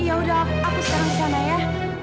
ya sudah aku sekarang sana ya